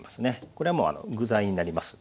これはもう具材になりますんでね